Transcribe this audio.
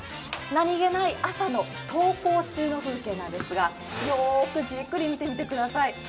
何気ない朝の登校中の風景なんですが、よーくじっくり見てみてください。